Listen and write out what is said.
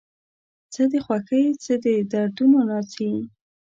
څه د خوښۍ څه د دردونو ناڅي